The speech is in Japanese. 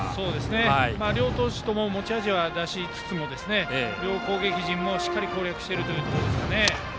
両投手とも持ち味は出しつつも両攻撃陣もしっかり攻略しているということですね。